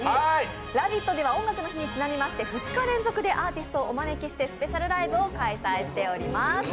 「ラヴィット！」では「音楽の日」にちなみまして、２日連続でアーティストをお招きしてスペシャルライブを開催しております。